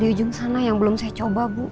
di ujung sana yang belum saya coba bu